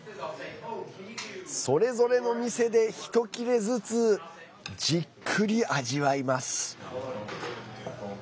それぞれの店で一切れずつじっくり味わいます。